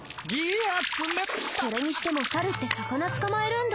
それにしてもサルって魚捕まえるんだ。